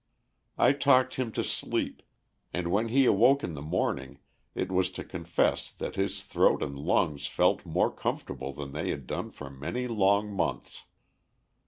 I talked him to sleep, and when he awoke in the morning it was to confess that his throat and lungs felt more comfortable than they had done for many long months.